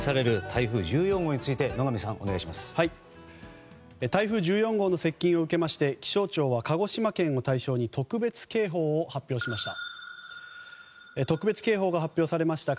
台風１４号の接近を受けまして気象庁は、鹿児島県を対象に特別警報を発表しました。